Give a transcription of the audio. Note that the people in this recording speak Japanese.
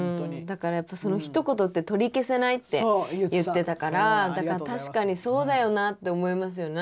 だからひと言って取り消せないって言ってたから確かにそうだよなって思いますよね。